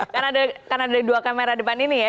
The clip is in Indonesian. karena ada dua kamera depan ini ya